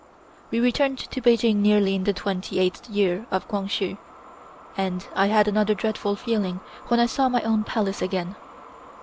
"We returned to Peking early in the twenty eighth year of Kwang Hsu and I had another dreadful feeling when I saw my own Palace again.